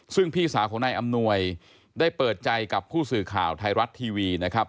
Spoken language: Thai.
ซึ่งพี่สาวของนายอำนวยได้เปิดใจกับผู้สื่อข่าวไทยรัฐทีวีนะครับ